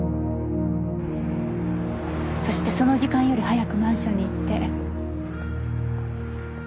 そしてその時間より早くマンションに行って。